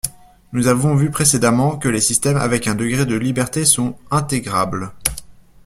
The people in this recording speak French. Nous avons vu précédemment que les système avec un degré de liberté sont intégrables